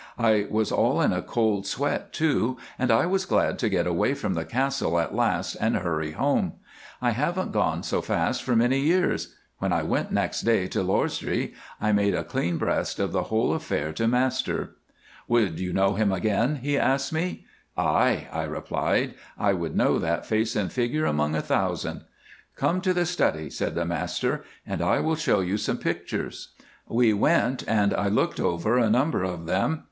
I was all in a cold sweat, too, and I was glad to get away from the Castle at last and hurry home. I haven't gone so fast for many years. When I went next day to Lausdree I made a clean breast of the whole affair to Master. "'Would you know him again?' he asked me. "'Aye,' I replied, 'I would know that face and figure among a thousand.' "'Come to the study,' said the master, 'and I will show you some pictures.' "We went, and I looked over a number of them.